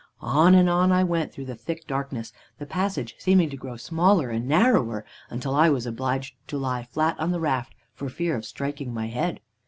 "On and on I went through the thick darkness, the passage seeming to grow smaller and narrower until I was obliged to lie flat on the raft for fear of striking my head.